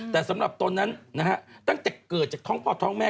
แต่สำหรับตนนั้นนะฮะตั้งแต่เกิดจากท้องพ่อท้องแม่